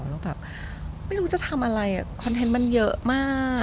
แล้วแบบไม่รู้จะทำอะไรคอนเทนต์มันเยอะมาก